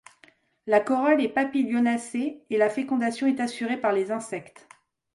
La corolle est papilionacée et la fécondation est assurée par les insectes.